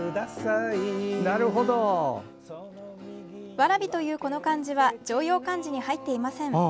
「蕨」という、この漢字は常用漢字に入っていません。